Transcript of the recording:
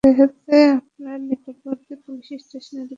সাথে সাথে আপনার নিকটবর্তী পুলিশ স্টেশনে রিপোর্ট করেন।